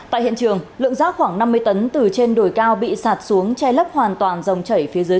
tại hiện trường lượng rác khoảng năm mươi tấn từ trên đồi cao bị sạt xuống che lấp hoàn toàn dòng chảy phía dưới